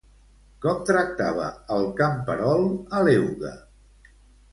Com tractava el camperol a l'euga?